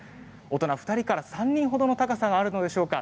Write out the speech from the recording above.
大人２人から３人ほどの高さがあるのでしょうか。